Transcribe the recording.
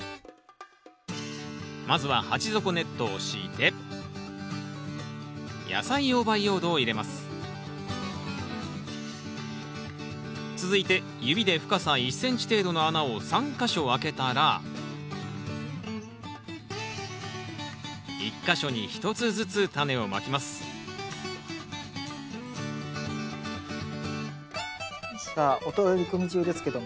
まずは続いて指で深さ１ｃｍ程度の穴を３か所開けたら１か所に１つずつタネをまきますさあお取り込み中ですけども。